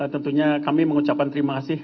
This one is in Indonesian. tentunya kami mengucapkan terima kasih